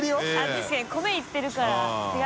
確かに米いってるから。